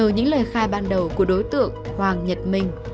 từ những lời khai ban đầu của đối tượng hoàng nhật minh